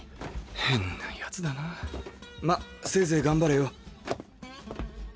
変な奴だなませいぜい頑張れよ。